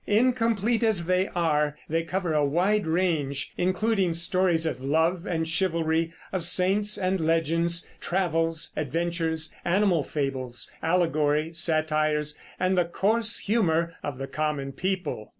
Incomplete as they are, they cover a wide range, including stories of love and chivalry, of saints and legends, travels, adventures, animal fables, allegory, satires, and the coarse humor of the common people.